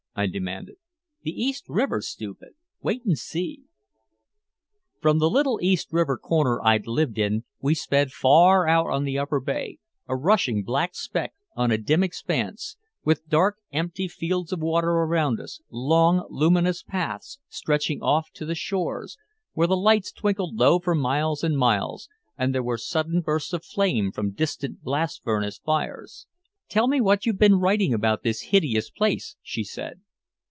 I demanded. "The East River, Stupid wait and see." From the little East River corner I'd lived in, we sped far out on the Upper Bay, a rushing black speck on a dim expanse, with dark, empty fields of water around us, long, luminous paths stretching off to the shores, where the lights twinkled low for miles and miles and there were sudden bursts of flame from distant blast furnace fires. "Tell me what you've been writing about this hideous place," she said.